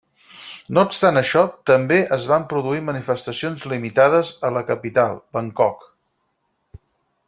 No obstant això, també es van produir manifestacions limitades a la capital, Bangkok.